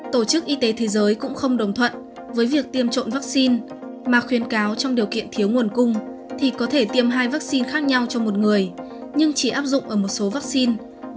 tổ chức y tế thế giới cũng không đồng thuận với việc tiêm trộn vaccine mà khuyên cáo trong điều kiện thiếu nguồn cung thì có thể tiêm hai vaccine khác nhau cho một người nhưng chỉ áp dụng ở một số vaccine